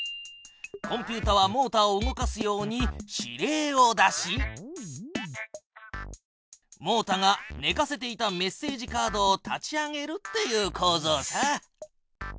コンピュータはモータを動かすように指令を出しモータがねかせていたメッセージカードを立ち上げるっていうこうぞうさ。